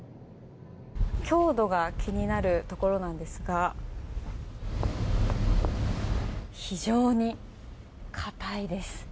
強度が気になるところなんですが非常に硬いです。